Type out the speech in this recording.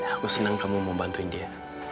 aku senang kamu mau bantuin dia